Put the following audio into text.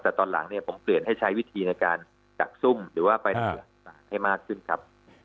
แต่ตอนหลังเนี่ยผมเปลี่ยนให้ใช้วิธีในการดักซุ่มหรือว่าไปรักษาให้มากขึ้นครับ